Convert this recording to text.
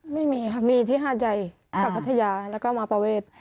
ไม่มีครับมีที่ภัทยายกับภัทยาแล้วก็มาประเวท